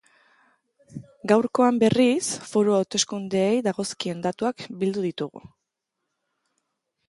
Gaurkoan, berriz, foru hauteskundeei dagozkien datuak bildu ditugu.